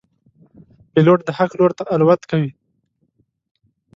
پیلوټ د حق لور ته الوت کوي.